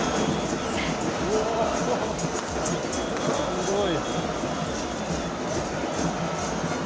すごい！